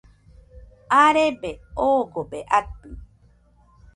arebe oogobe atɨ